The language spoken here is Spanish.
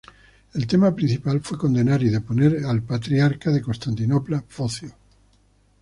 El tema principal fue condenar y deponer al Patriarca de Constantinopla Focio.